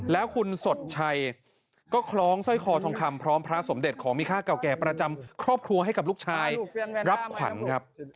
แล้วคุณสดชัยก็คล้องสร้อยคอทองคำพร้อมพระสมเด็จของมีค่าเก่าแก่ประจำครอบครัวให้กับลูกชายรับขวัญครับ